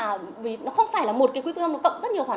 vì nó không phải là một cái quỹ phụ huynh cộng rất nhiều khoản